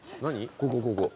ここここ。